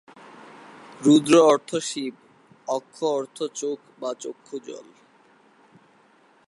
রুদ্র অর্থ শিব, অক্ষ অর্থ চোখ বা চক্ষুজল।